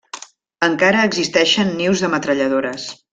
Encara existeixen nius de metralladores.